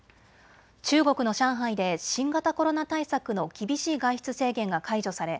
中国の上海で新型コロナ対策の厳しい外出制限が解除され